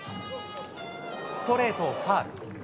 ストレートをファウル。